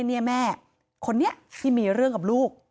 เนี่ยแม่คนนี้ที่มีเรื่องกับลูก